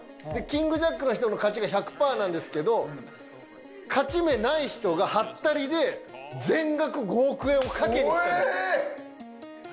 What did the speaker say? キングジャックの人の勝ちが１００％なんですけど勝ち目ない人がハッタリで全額５億円を賭けに来たんです。